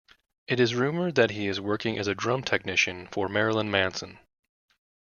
It is rumored that he is working as a drum technician for Marilyn Manson.